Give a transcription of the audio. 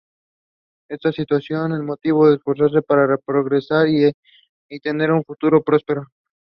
Can.